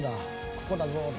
ここだぞって」